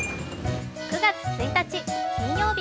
９月１日金曜日。